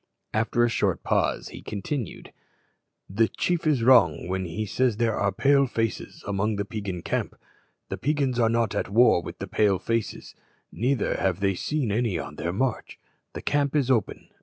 After a short pause he continued, "The chief is wrong when he says there are Pale faces in the Peigan camp. The Peigans are not at war with the Pale faces; neither have they seen any on their march. The camp is open.